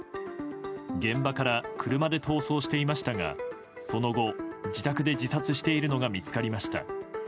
現場から車で逃走していましたがその後、自宅で自殺しているのが見つかりました。